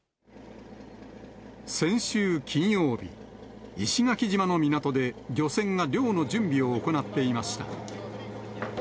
先週金曜日、石垣島の港で漁船が漁の準備を行っていました。